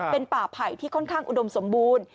เป็นป่าไผ่ที่ค่อนข้างอุดมสมบูรณ์